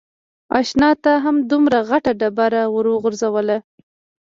اشنا تا هم دومره غټه ډبره ور و غورځوله.